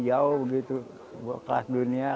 jauh begitu kelas dunia kan